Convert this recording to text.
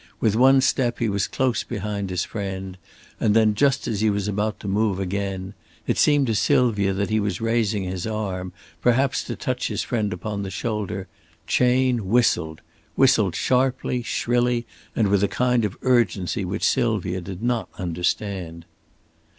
With one step he was close behind his friend; and then just as he was about to move again it seemed to Sylvia that he was raising his arm, perhaps to touch his friend upon the shoulder Chayne whistled whistled sharply, shrilly and with a kind of urgency which Sylvia did not understand.